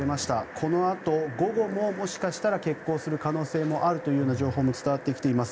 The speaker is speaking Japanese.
このあと午後ももしかしたら欠航する可能性もあるというような情報も伝わってきています。